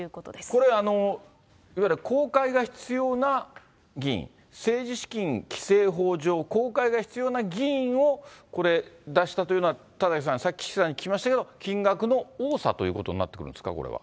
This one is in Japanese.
これ、いわゆる公開が必要な議員、政治資金規正法上公開が必要な議員を出したというのは、田崎さん、さっき岸さんに聞きましたけれども、金額の多さということになってくるんですか、これは。